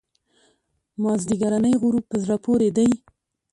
مازیګرنی غروب په زړه پورې دی.